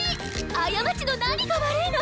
過ちの何が悪いの！